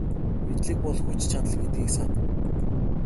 Мэдлэг бол хүч чадал гэдгийг сана.